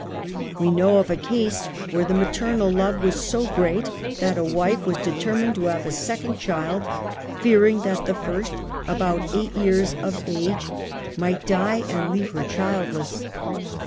We know of a case where the maternal love was so great, that a wife was determined to have a sec ond child, fearing that the first (about eight years of ago) might die and leave her childless.